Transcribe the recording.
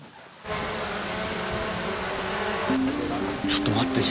ちょっと待って。